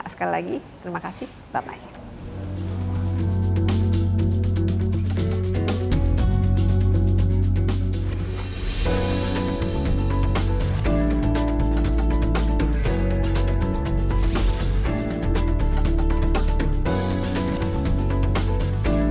sekali lagi terima kasih bye bye